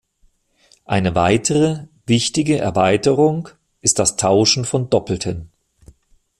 Eine weitere wichtige Erweiterung ist das Tauschen von Doppelten.